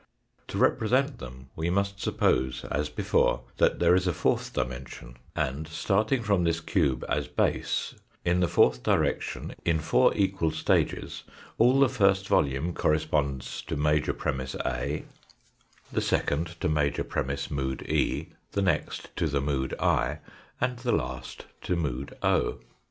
To represent them we must suppose as before that there is a fourth dimension, and starting from this cube as base in the fourth direction in four equal stages, all the first volume corresponds to major premiss A, the s^pond to major 100 'J'HE FOURTH DIMENSION premiss, mood E, the next to the mood I, and the last to mood o.